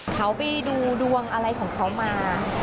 เขาไปดูดวงอะไรของเขามา